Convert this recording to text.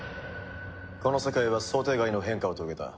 この世界は想定外の変化を遂げた。